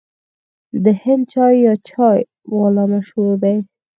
د هند چای یا چای والا مشهور دی.